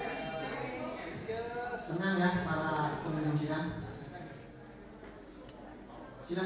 ya nanti nanti kita perlihatkan